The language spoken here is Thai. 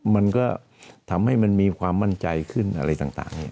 มันก็ทำให้มันมีความมั่นใจขึ้นอะไรต่าง